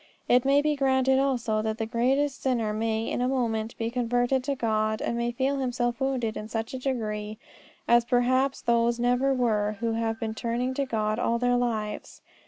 It may be granted also that the greatest sinner may in a moment be converted to God, and may feel himself wounded in such a degree as perhaps those never were who have been turning to God all their lives.